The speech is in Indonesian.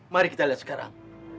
mari kita lihat sekarang